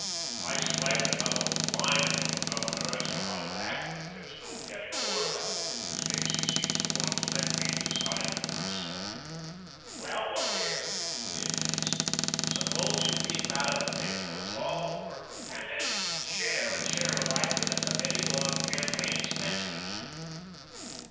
I should like to have a line from the Governor as to how to act, but there's no getting a word out of him these days. He seems to want to let me decide for myself." "Well, look here," put in Annixter. "Suppose you keep out of the thing till it's all over, and then share and share alike with the Committee on campaign expenses."